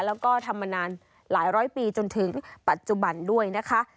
แล้วก็ทำมานานหลายร้อยปีจนถึงปัจจุบันด้วยนะคะ